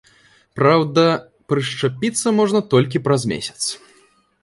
Праўда, прышчапіцца можна толькі праз месяц.